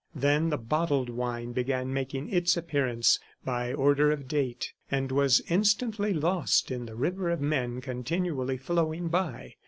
Then the bottled wine began making its appearance by order of date, and was instantly lost in the river of men continually flowing by.